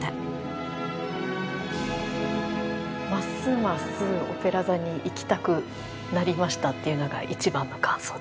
ますますオペラ座に行きたくなりましたっていうのが一番の感想ですね。